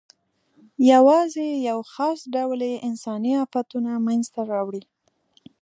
یواځې یو خاص ډول یې انساني آفتونه منځ ته راوړي.